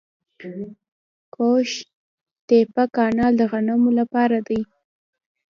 قوش تیپه کانال د غنمو لپاره دی.